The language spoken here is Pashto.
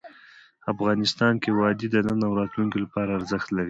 افغانستان کې وادي د نن او راتلونکي لپاره ارزښت لري.